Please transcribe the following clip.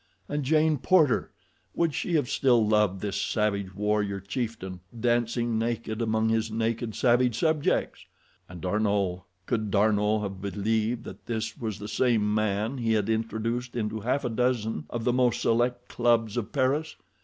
And Jane Porter! Would she have still loved this savage warrior chieftain, dancing naked among his naked savage subjects? And D'Arnot! Could D'Arnot have believed that this was the same man he had introduced into half a dozen of the most select clubs of Paris?